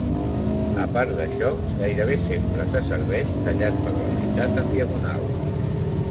A part d'això, gairebé sempre se serveix tallat per la meitat en diagonal.